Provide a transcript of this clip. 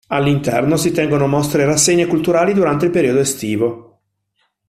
All'interno, si tengono mostre e rassegne culturali durante il periodo estivo.